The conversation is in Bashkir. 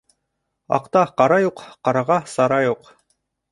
Аҡта ҡара юҡ, ҡараға сара юҡ.